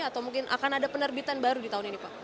atau mungkin akan ada penerbitan baru di tahun ini pak